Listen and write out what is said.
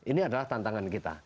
ini adalah tantangan kita